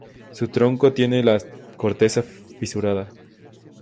Su tronco tiene la corteza fisurada.